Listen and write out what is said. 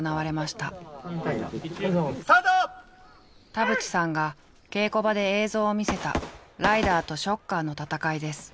田渕さんが稽古場で映像を見せたライダーとＳＨＯＣＫＥＲの戦いです。